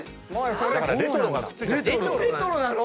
だから「レトロ」がくっついちゃってるんです。